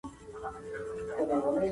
بهرنۍ پالیسي د ملي ګټو پر ضد نه ده.